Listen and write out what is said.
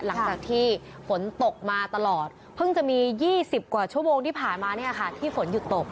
หลังจากที่ฝนตกมาตลอดเพิ่งจะมี๒๐กว่าชั่วโมงที่ผ่านมาเนี่ยค่ะที่ฝนหยุดตก